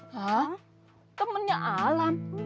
hah temannya alam